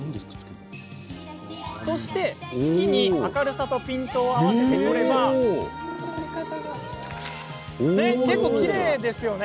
そして、月に明るさとピントを合わせて撮れば結構きれいですよね？